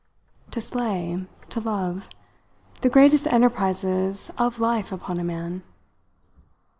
"To slay, to love the greatest enterprises of life upon a man!